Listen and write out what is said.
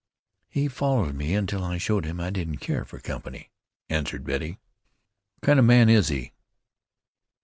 "He followed me until I showed him I didn't care for company," answered Betty. "What kind of a man is he?"